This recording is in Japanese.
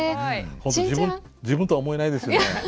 本当自分とは思えないですよね。